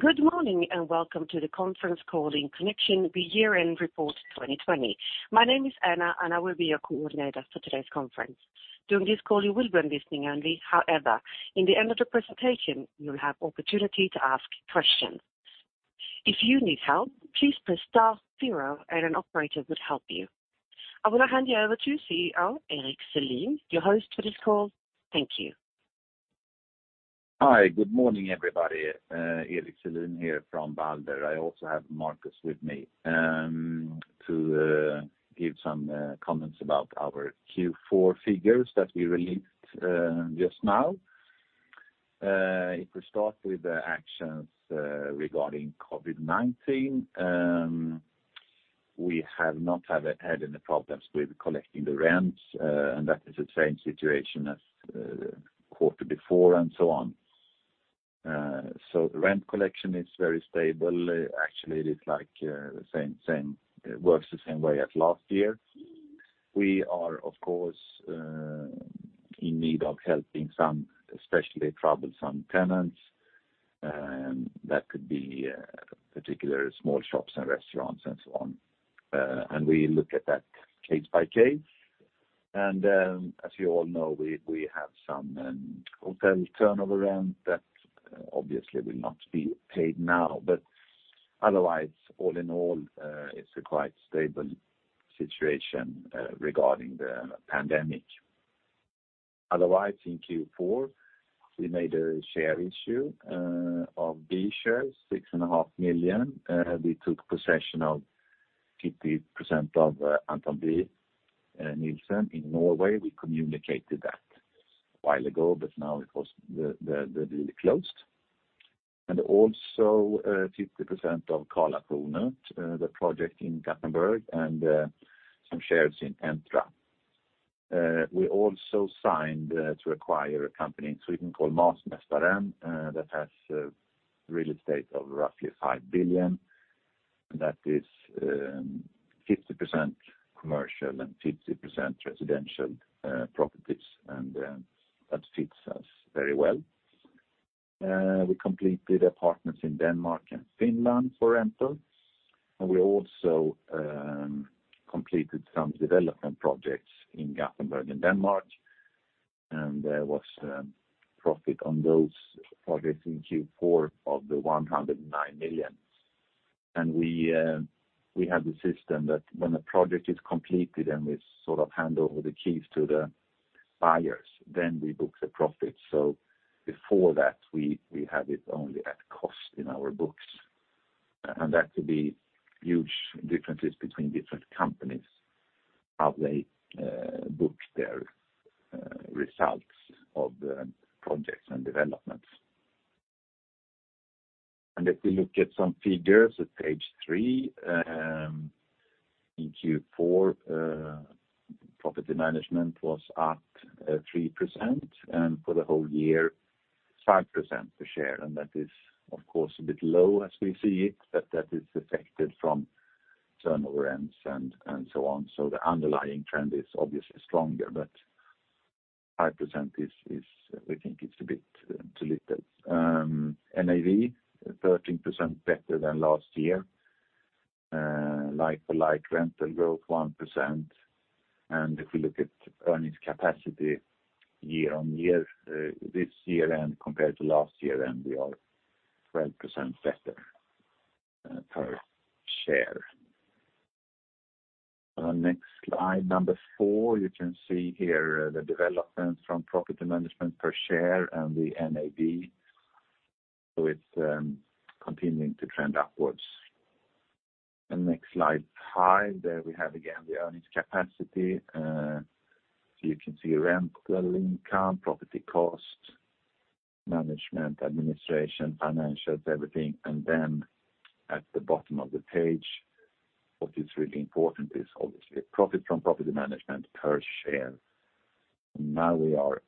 Good morning, and welcome to the conference call in connection with the year-end report 2020. My name is Anna, and I will be your coordinator for today's conference. During this call, you will be listening only. However, in the end of the presentation, you'll have opportunity to ask questions. If you need help, please press star zero and an operator would help you. I want to hand you over to CEO Erik Selin, your host for this call. Thank you. Hi. Good morning, everybody. Erik Selin here from Balder. I also have Marcus with me to give some comments about our Q4 figures that we released just now. If we start with the actions regarding COVID-19, we have not had any problems with collecting the rents, and that is the same situation as quarter before and so on. So the rent collection is very stable. Actually, it is like same, it works the same way as last year. We are, of course, in need of helping some especially troublesome tenants that could be particular small shops and restaurants and so on. We look at that case by case. As you all know, we have some hotel turnover rent that obviously will not be paid now. Otherwise, all in all, it's a quite stable situation regarding the pandemic. Otherwise, in Q4, we made a share issue of B shares, 6.5 million. We took possession of 50% of Anthon B Nilsen in Norway. We communicated that a while ago, but now it was the deal closed. And also, 50% of Karlatornet, the project in Gothenburg and some shares in Entra. We also signed to acquire a company in Sweden called Masmästaren that has real estate of roughly 5 billion. That is, 50% commercial and 50% residential properties, and that fits us very well. We completed apartments in Denmark and Finland for rental, and we also completed some development projects in Gothenburg and Denmark. There was profit on those projects in Q4 of 109 million. We have the system that when a project is completed and we sort of hand over the keys to the buyers, then we book the profit. Before that, we have it only at cost in our books. That could be huge differences between different companies, how they book their results of the projects and developments. If you look at some figures at page 3, in Q4, property management was up 3%, and for the whole year, 5% per share. That is, of course, a bit low as we see it, but that is affected from turnover rents and so on. The underlying trend is obviously stronger. 5% is—we think it's a bit too little. NAV, 13% better than last year. Like for like rental growth, 1%. If you look at earnings capacity year-on-year, this year and compared to last year, then we are 12% better per share. On next slide number 4, you can see here the development from property management per share and the NAV. So it's continuing to trend upwards. On next slide 5, there we have again the earnings capacity. You can see rental income, property cost, management, administration, financials, everything. Then at the bottom of the page, what is really important is obviously profit from property management per share. Now we are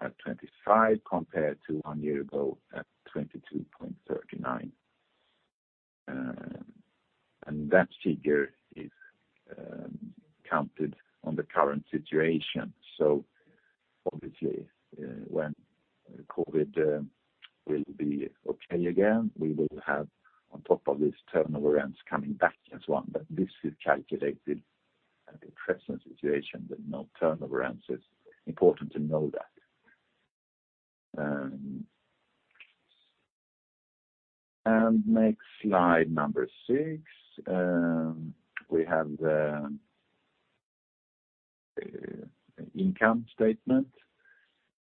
at 25 compared to one year ago at 22.39. That figure is counted on the current situation. Obviously, when COVID will be okay again, we will have on top of this turnover rents coming back as one. This is calculated at the present situation that no turnover rents. It's important to know that. Next slide number 6, we have the income statement.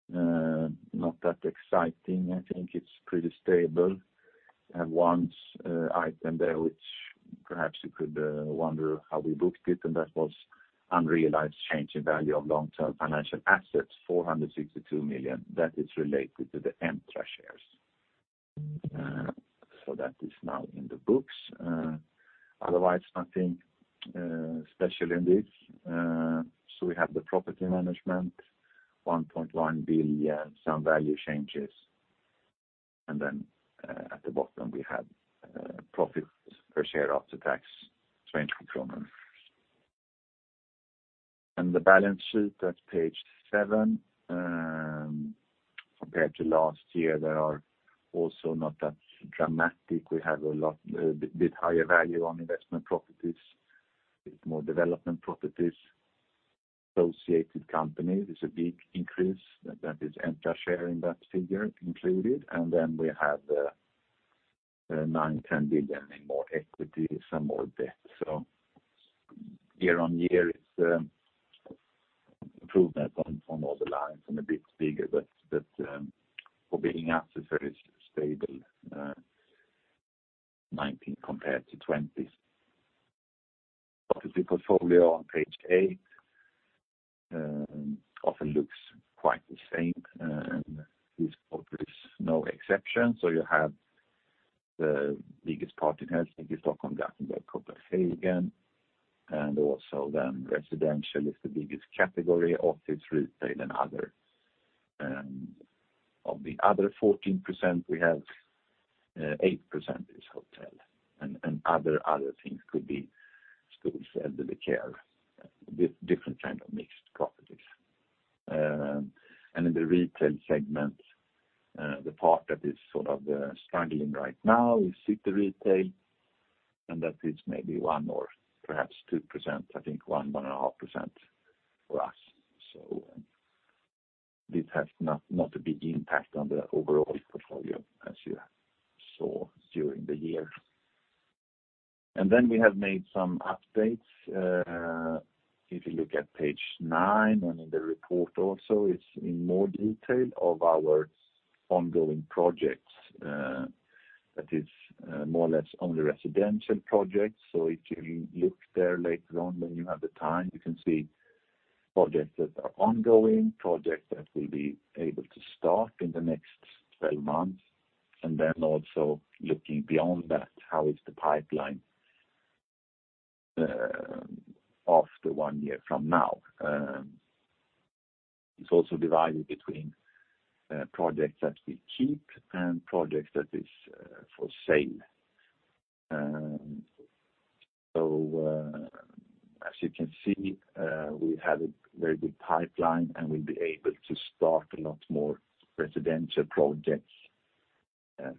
Not that exciting. I think it's pretty stable. Have one item there which perhaps you could wonder how we booked it, and that was unrealized change in value of long-term financial assets, 462 million. That is related to the Entra shares. That is now in the books. Otherwise nothing special in this. We have the property management, 1.1 billion, some value changes. At the bottom, we have profits per share after tax, Swedish krona. The balance sheet at page 7, compared to last year, they are also not that dramatic. We have a bit higher value on investment properties. It's more development properties. Associated company, there's a big increase that is entire share in that figure included. We have 9 billion-10 billion in more equity, some more debt. Year-over-year, it's improvement on all the lines and a bit bigger. For being up is very stable, 2019 compared to 2020. Property portfolio on page 8, often looks quite the same. This quarter is no exception. You have the biggest part in here. I think it's Stockholm, Gothenburg, Copenhagen. Residential is the biggest category. Office, retail, and other. Of the other 14% we have, 8% is hotel. Other things could be schools, elderly care, different kind of mixed properties. In the retail segment, the part that is sort of struggling right now is city retail, and that is maybe 1% or perhaps 2%, I think 1.5% for us. This has not a big impact on the overall portfolio as you saw during the year. Then we have made some updates. If you look at page 9 and in the report also, it's in more detail of our ongoing projects. More or less only residential projects. If you look there later on when you have the time, you can see projects that are ongoing, projects that will be able to start in the next 12 months, and then also looking beyond that, how is the pipeline after one year from now. It's also divided between projects that we keep and projects that is for sale. As you can see, we have a very good pipeline, and we'll be able to start a lot more residential projects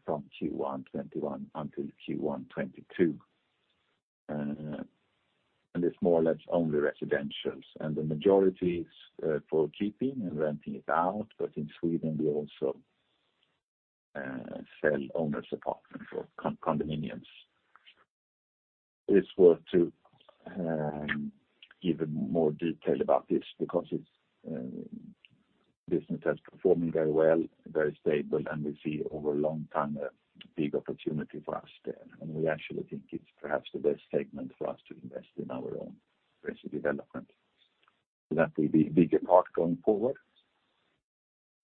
from Q1 2021 until Q1 2022. It's more or less only residentials. The majority is for keeping and renting it out. In Sweden, we also sell owners' apartment or condominiums. It's worth to give more detail about this because our business is performing very well, very stable, and we see over a long time a big opportunity for us there. We actually think it's perhaps the best segment for us to invest in our own residential development. That will be a bigger part going forward.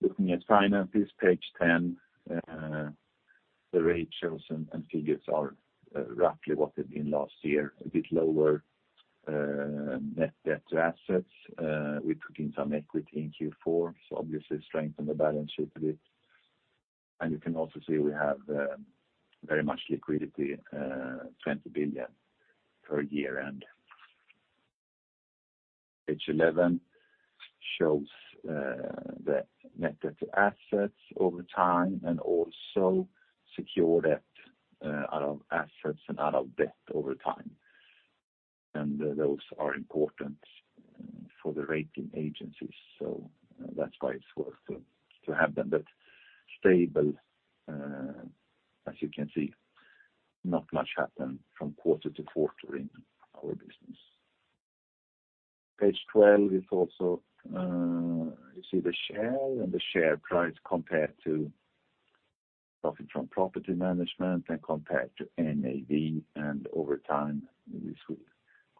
Looking at finances, page 10. The ratios and figures are roughly what they've been last year. A bit lower net debt to assets. We put in some equity in Q4, so obviously strengthen the balance sheet a bit. You can also see we have very much liquidity, SEK 20 billion at year-end. Page 11 shows the net debt to assets over time and also secure debt out of assets and out of debt over time. Those are important for the rating agencies, so that's why it's worth to have them. Stable, as you can see, not much happened from quarter to quarter in our business. Page 12 is also, you see the share and the share price compared to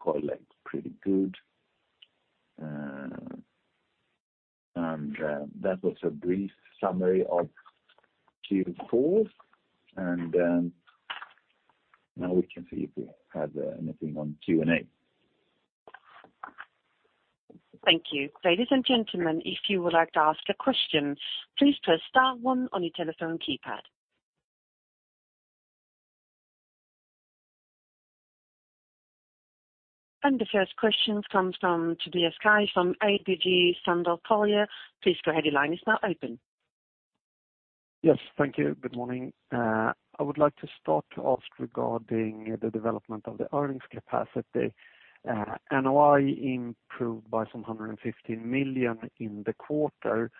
profit from property management and compared to NAV. Over time, this will correlate pretty good. That was a brief summary of Q4. Now we can see if we have anything on Q&A. Thank you. Ladies and gentlemen, if you would like to ask a question, please press star one on your telephone keypad. The first question comes from Tobias Kaj from ABG Sundal Collier. Please go ahead, your line is now open. Yes. Thank you. Good morning. I would like to start to ask regarding the development of the earnings capacity. NOI improved by some 115 million in the quarter,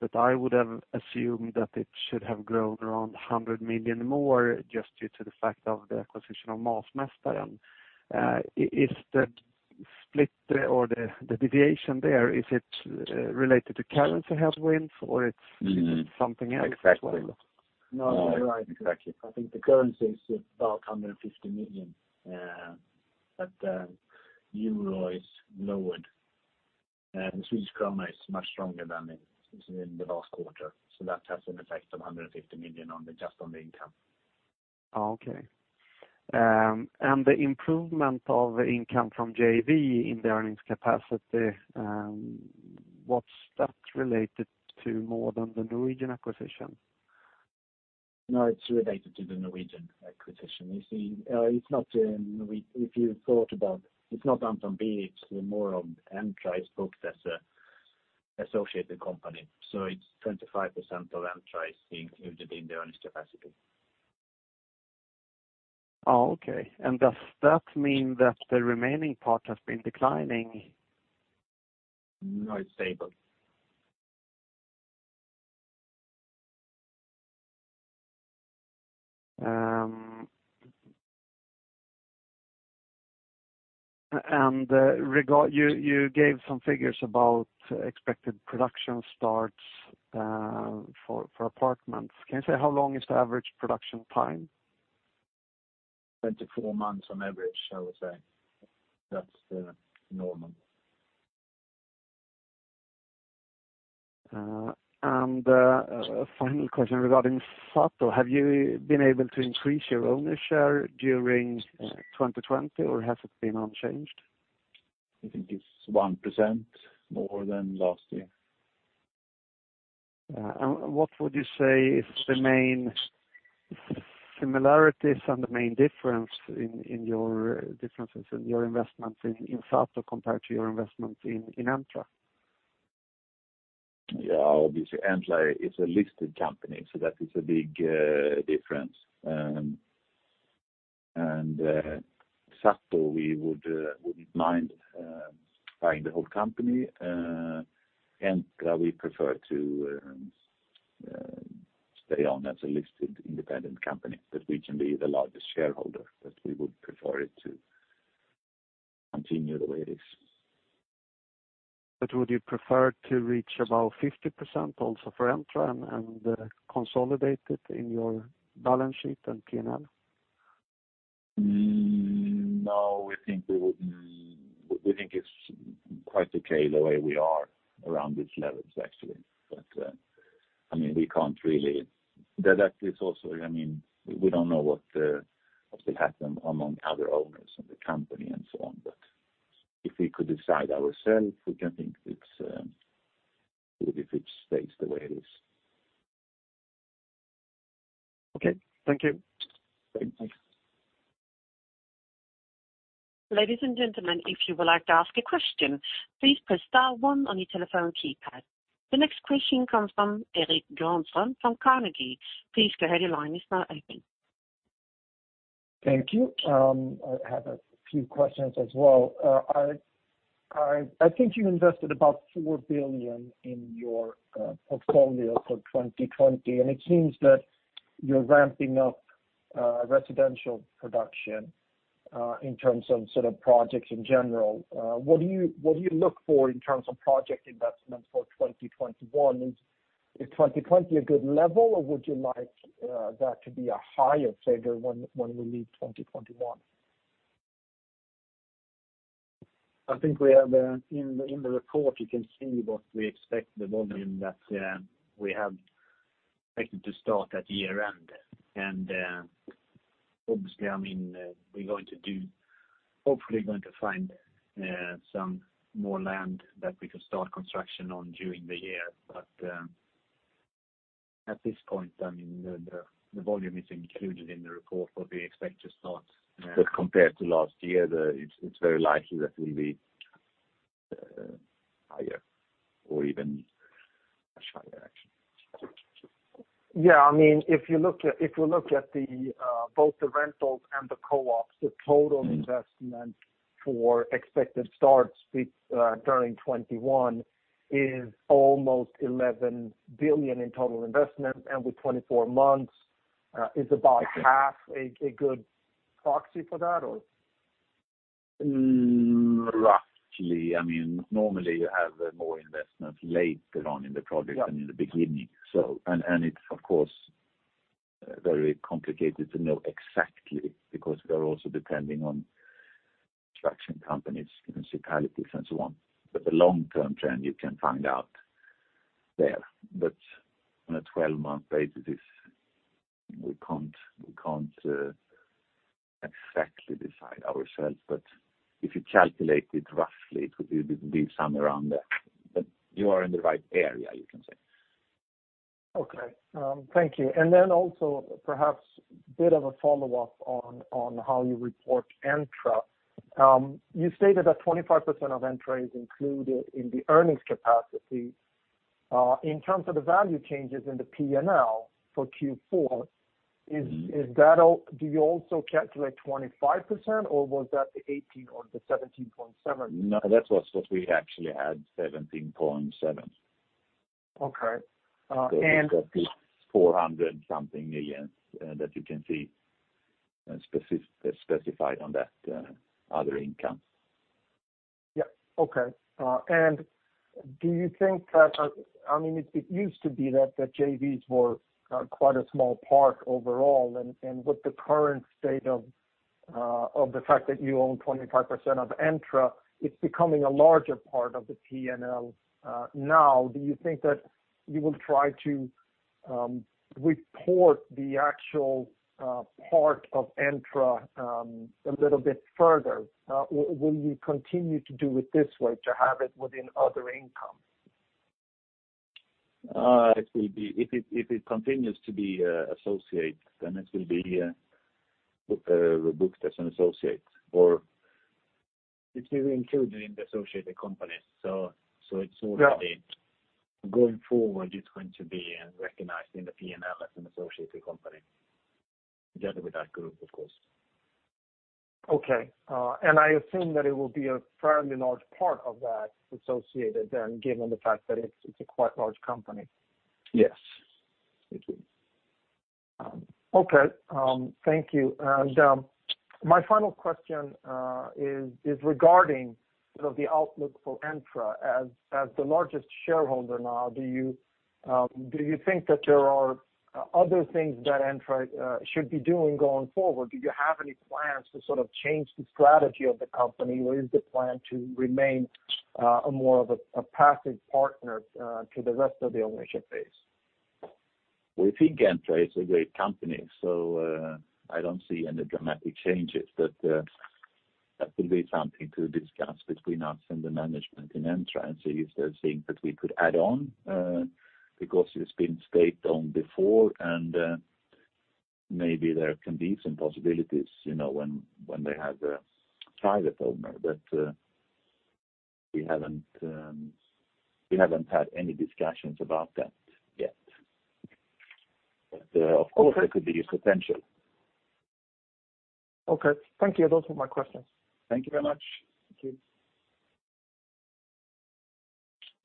but I would have assumed that it should have grown around 100 million more just due to the fact of the acquisition of Masmästaren. Is the split or the deviation there, is it related to currency headwinds, or it's something else? Exactly. No, you're right. Exactly. I think the currency is about 150 million. The euro is lowered. The Swedish krona is much stronger than in the last quarter. That has an effect of 150 million just on the income. Oh, okay. The improvement of income from JV in the earnings capacity, what's that related to more than the Norwegian acquisition? No, it's related to the Norwegian acquisition. You see, if you thought about it's not Anthon B. It's more of Entra's book that's associated company. It's 25% of Entra being included in the earnings capacity. Oh, okay. Does that mean that the remaining part has been declining? No, it's stable. You gave some figures about expected production starts for apartments. Can you say how long is the average production time? 24 months on average, I would say. That's the normal. Final question regarding SATO. Have you been able to increase your owner share during 2020 or has it been unchanged? I think it's 1% more than last year. What would you say is the main similarities and the main differences in your investments in SATO compared to your investments in Entra? Yeah. Obviously, Entra is a listed company, so that is a big difference. SATO, we wouldn't mind buying the whole company. Entra, we prefer to stay on as a listed independent company, but we can be the largest shareholder, but we would prefer it to continue the way it is. Would you prefer to reach about 50% also for Entra and consolidate it in your balance sheet and P&L? No, we think we wouldn't. We think it's quite okay the way we are around these levels, actually. I mean, we don't know what will happen among other owners of the company and so on. If we could decide ourselves, we can think it's good if it stays the way it is. Okay. Thank you. Thank you. Ladies and gentlemen, if you would like to ask a question, please press star one on your telephone keypad. The next question comes from Erik Johansson from Carnegie. Please go ahead. Your line is now open. Thank you. I have a few questions as well. I think you invested about 4 billion in your portfolio for 2020, and it seems that you're ramping up residential production in terms of sort of projects in general. What do you look for in terms of project investments for 2021? Is 2020 a good level, or would you like that to be a higher figure when we leave 2021? I think we have in the report you can see what we expect the volume that we have expected to start at year-end. Obviously, I mean, we're hopefully going to find some more land that we can start construction on during the year. At this point, I mean, the volume is included in the report what we expect to start. Compared to last year, it's very likely that we'll be higher or even much higher actually. Yeah. I mean, if you look at both the rentals and the co-ops, the total investment for expected starts within 2021 is almost 11 billion in total investment, and within 24 months is about half, a good proxy for that, or? Roughly. I mean, normally you have more investment later on in the project than in the beginning. It's of course very complicated to know exactly because we are also depending on construction companies, municipalities and so on. The long-term trend you can find out there. On a 12-month basis, we can't exactly decide ourselves. If you calculate it roughly, it would be somewhere around there. You are in the right area, you can say. Okay. Thank you. Then also perhaps a bit of a follow-up on how you report Entra. You stated that 25% of Entra is included in the earnings capacity. In terms of the value changes in the P&L for Q4, is that all? Do you also calculate 25%, or was that the 18% or the 17.7%? No, that was what we actually had, 17.7%. Okay. 400-something million that you can see specified on that other income. Yeah. Okay. Do you think that, I mean, it used to be that the JVs were quite a small part overall. With the current state of the fact that you own 25% of Entra, it's becoming a larger part of the P&L. Now, do you think that you will try to report the actual part of Entra a little bit further? Will you continue to do it this way, to have it within other income? It will be if it continues to be associate, then it will be booked as an associate or it will be included in the associated companies. So it's all- Yeah. Going forward, it's going to be recognized in the P&L as an associated company together with that group, of course. Okay. I assume that it will be a fairly large part of that associated, given the fact that it's a quite large company. Yes. It is. Okay. Thank you. My final question is regarding sort of the outlook for Entra. As the largest shareholder now, do you think that there are other things that Entra should be doing going forward? Do you have any plans to sort of change the strategy of the company? Or is the plan to remain more of a passive partner to the rest of the ownership base? We think Entra is a great company, so, I don't see any dramatic changes. That will be something to discuss between us and the management in Entra. If there are things that we could add on, because it's been staked on before, and, maybe there can be some possibilities, you know, when they have a private owner. We haven't had any discussions about that yet. Of course there could be a potential. Okay. Thank you. Those were my questions. Thank you very much.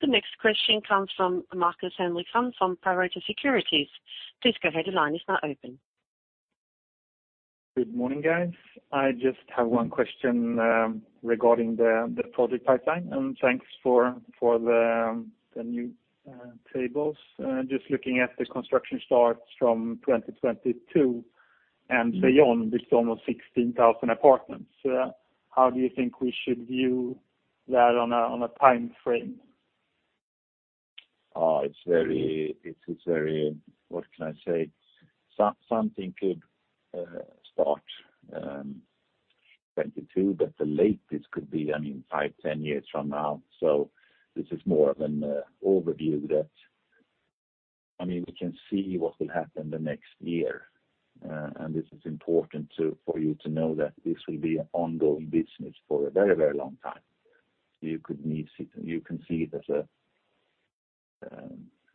Thank you. The next question comes from Markus Henriksson from Pareto Securities. Please go ahead. Your line is now open. Good morning, guys. I just have one question regarding the project pipeline, and thanks for the new tables. Just looking at the construction starts from 2022 and beyond, it's almost 16,000 apartments. How do you think we should view that on a timeframe? It's very, what can I say? Something could start 2022, but the latest could be, I mean, five, 10 years from now. This is more of an overview that. I mean, we can see what will happen the next year. This is important for you to know that this will be an ongoing business for a very, very long time. You can see it as a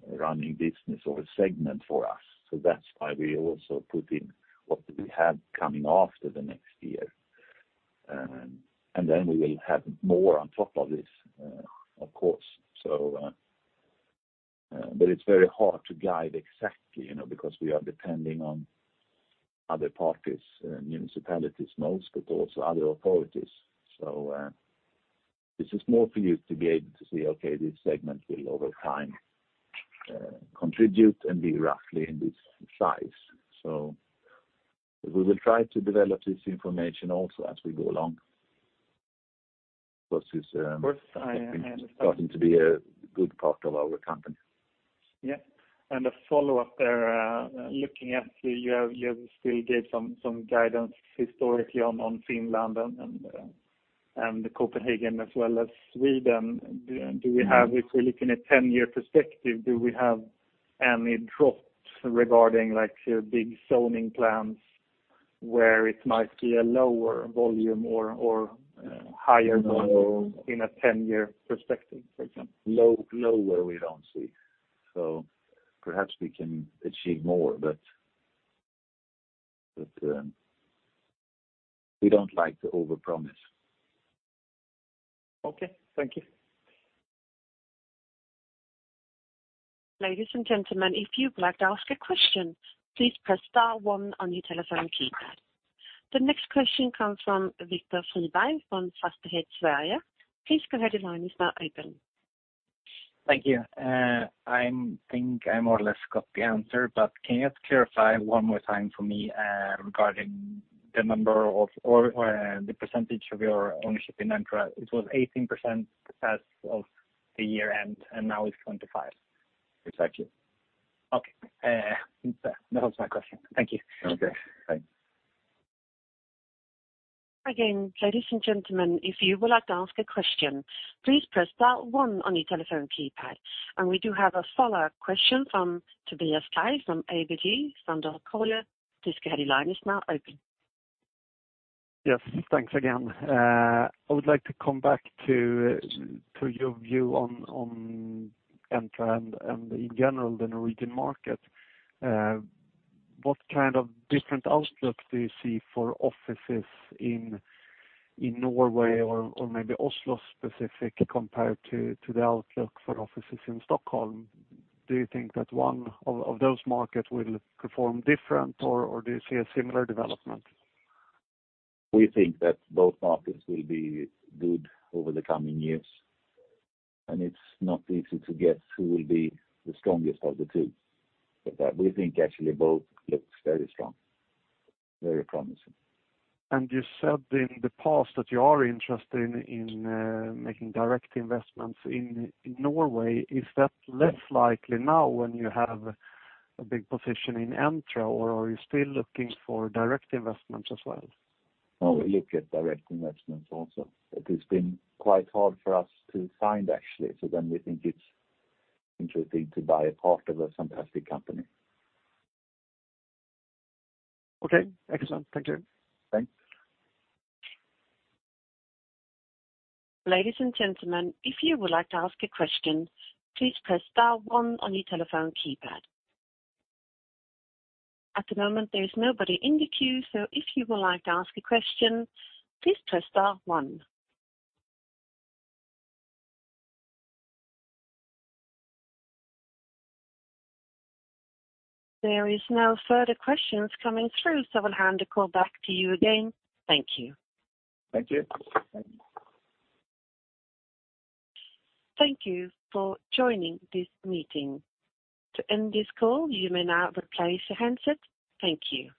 running business or a segment for us. That's why we also put in what we have coming after the next year. Then we will have more on top of this, of course. But it's very hard to guide exactly, you know, because we are depending on other parties, municipalities most, but also other authorities. This is more for you to be able to see. Okay, this segment will over time contribute and be roughly in this size. We will try to develop this information also as we go along. Plus, it's Of course. I understand. Starting to be a good part of our company. Yeah. A follow-up there, looking at you still gave some guidance historically on Finland and Copenhagen as well as Sweden. Do you, if we look in a 10-year perspective, do we have any drops regarding like big zoning plans where it might be a lower volume or higher volume in a 10-year perspective, for example? Lower, we don't see. Perhaps we can achieve more, but we don't like to overpromise. Okay. Thank you. Ladies and gentlemen, if you'd like to ask a question, please press star one on your telephone keypad. The next question comes from Viktor Friberg from Fastighetsvärlden. Please go ahead. Your line is now open. Thank you. I think I more or less got the answer, but can you clarify one more time for me regarding the percentage of your ownership in Entra? It was 18% as of the year-end, and now it's 25%. Exactly. Okay. That was my question. Thank you. Okay. Thanks. Again, ladies and gentlemen, if you would like to ask a question, please press star one on your telephone keypad. We do have a follow-up question from Tobias Kaj from ABG Sundal Collier. Please go ahead. Your line is now open. Yes. Thanks again. I would like to come back to your view on Entra and in general, the Norwegian market. What kind of different outlook do you see for offices in Norway or maybe Oslo specific compared to the outlook for offices in Stockholm? Do you think that one of those markets will perform different or do you see a similar development? We think that both markets will be good over the coming years, and it's not easy to guess who will be the strongest of the two. We think actually both look very strong, very promising. You said in the past that you are interested in making direct investments in Norway. Is that less likely now when you have a big position in Entra, or are you still looking for direct investments as well? No, we look at direct investments also. It has been quite hard for us to find actually. We think it's interesting to buy a part of a fantastic company. Okay. Excellent. Thank you. Thanks. Ladies and gentlemen, if you would like to ask a question, please press star one on your telephone keypad. At the moment, there is nobody in the queue, so if you would like to ask a question, please press star one. There is no further questions coming through, so I'll hand the call back to you again. Thank you. Thank you. Thank you. Thank you for joining this meeting. To end this call, you may now replace your handset. Thank you.